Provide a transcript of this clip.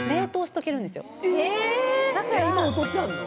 今も取ってあんの？